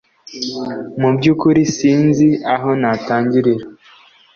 Mu byukuri sinzi aho natangirira